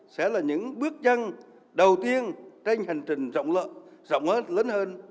sẽ là những bước chân đầu tiên trên hành trình rộng lớn hơn